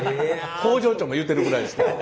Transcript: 工場長も言ってるぐらいですから。